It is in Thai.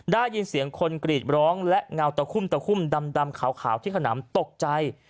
ได้ยินเสียงคนกรีดร้องและเงาตะคุ่มตะคุ่มดำขาวที่ขนำตกใจ